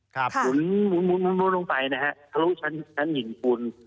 ถ้ารู้ว่าชั้นหญิงฟูล